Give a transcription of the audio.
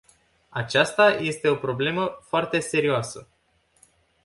Aceasta este o problemă foarte serioasă.